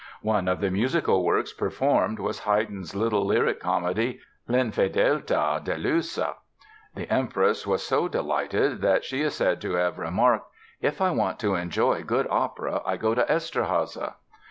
One of the musical works performed was Haydn's little lyric comedy, "L'infedeltà delusa". The Empress was so delighted that she is said to have remarked: "If I want to enjoy good opera, I go to Eszterháza."